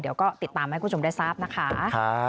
เดี๋ยวก็ติดตามให้คุณผู้ชมได้ทราบนะคะ